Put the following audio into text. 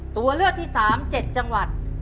ตัวเลือกที่๓๗จังหวัด